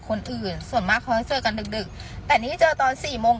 คนอื่นส่วนมากเขาจะเจอกันดึกดึกแต่นี่เจอตอนสี่โมง